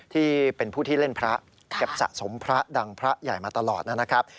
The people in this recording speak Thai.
ที่เป็นผู้ที่เล่นพระเก็บสะสมพระดังพระใหญ่มาตลอดนะครับ